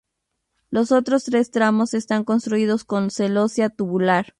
Los otros tres tramos están construidos con celosía tubular.